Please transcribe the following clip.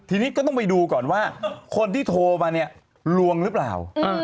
ทีนี้ก็ต้องไปดูก่อนว่าคนที่โทรมาเนี่ยลวงหรือเปล่า